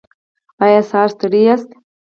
ایا سهار ستړي یاست؟